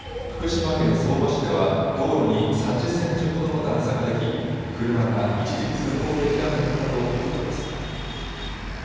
福島県相馬市では道路に３０センチほどの段差ができ車が一時、通行できなくなったということです。